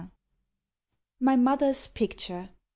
M. MY MOTHER'S PICTURE.